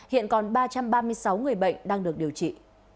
hiện còn ba trăm ba mươi sáu người bệnh đang được điều trị